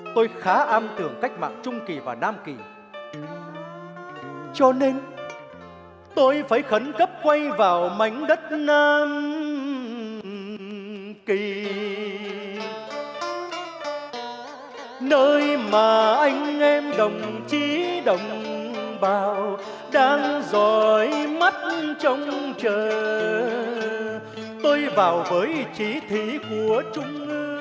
tôi vào với chỉ thị của trung ương